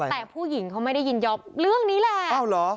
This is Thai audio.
แต่ผู้หญิงเขาไม่ได้ยินยอมเรื่องนี้แหละอ้าวเหรอ